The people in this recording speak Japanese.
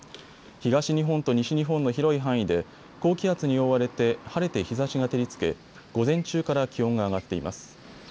東日本と西日本の広い範囲で高気圧に覆われて晴れて日ざしが照りつけ午前中から気温が上がっています。